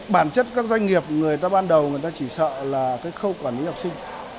bản chất các doanh nghiệp người ta ban đầu chỉ sợ là khâu quản lý học sinh